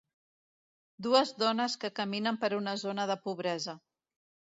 Dues dones que caminen per una zona de pobresa.